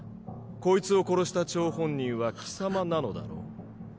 こいつを殺した張本人は貴様なのだろう？